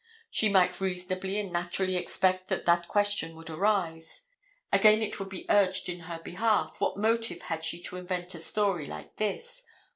She might reasonably and naturally expect that that question would arise. Again, it would be urged in her behalf, what motive had she to invent a story like this?